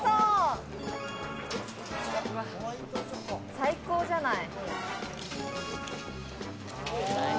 最高じゃない！